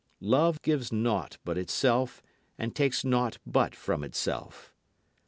Love gives naught but itself and takes naught but from itself.